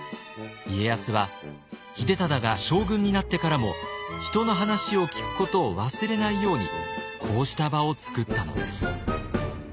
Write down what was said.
家康は秀忠が将軍になってからも人の話を聞くことを忘れないようにこうした場を作ったのです。